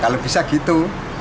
ya kalau bisa gitu